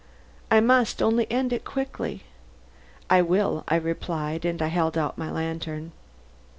"I must only end it quickly." "I will," I replied, and I held out my lantern.